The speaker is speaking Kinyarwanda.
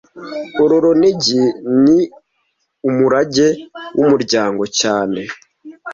Uru runigi ni umurage wumuryango cyane